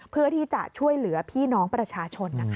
เพื่อที่จะช่วยเหลือพี่น้องประชาชนนะคะ